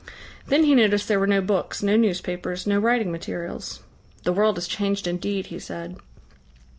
Then he noticed there were no books, no newspapers, no writing materials. "The world has changed indeed," he said.